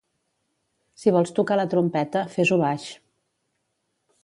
Si vols tocar la trompeta, fes-ho baix.